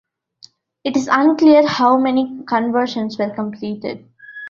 It is unclear how many conversions were completed.